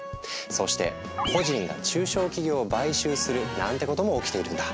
そうして個人が中小企業を買収するなんてことも起きているんだ。